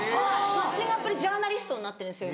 マッチングアプリジャーナリストになってるんですよ